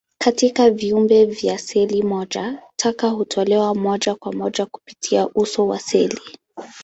Katika viumbe vya seli moja, taka hutolewa moja kwa moja kupitia uso wa seli.